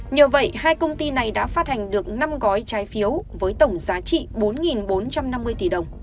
nhờ vậy hai công ty này đã phát hành được năm gói trái phiếu với tổng giá trị bốn bốn trăm năm mươi tỷ đồng